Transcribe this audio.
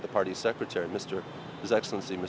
với tổ chức của hà nội tổ chức của hà nội